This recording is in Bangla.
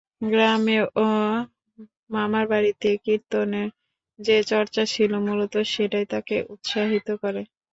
গ্রামে ও মামার বাড়িতে কীর্তনের যে চর্চা ছিল, মূলত সেটাই তাকে উৎসাহিত করে।